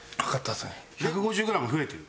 １５０グラム増えてる。